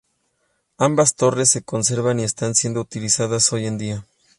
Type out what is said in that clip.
Ambas torres se conservan y están siendo utilizadas hoy en día.